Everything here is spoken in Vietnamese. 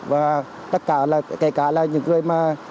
và tất cả là kể cả là những người mà